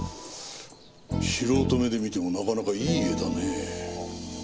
素人目で見てもなかなかいい絵だね。